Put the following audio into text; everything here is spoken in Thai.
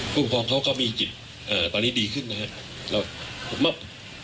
ผู้ปกครองเขาก็มีจิตตอนนี้ดีขึ้นนะครับ